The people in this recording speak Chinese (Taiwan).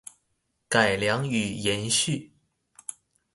改良及延續